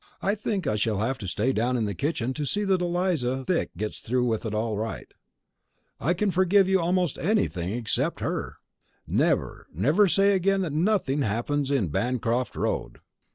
I think I shall have to stay down in the kitchen to see that Eliza Thick gets through with it all right. I can forgive you almost anything except her! Never, never say again that nothing happens in Bancroft Road!